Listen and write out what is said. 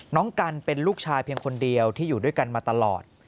น้องกันเป็นลูกชายเพียงคนเดียวที่อยู่ด้วยกันมาตลอด